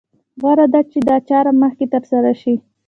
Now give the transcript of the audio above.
غوره ده چې دا چاره مخکې تر سره شي.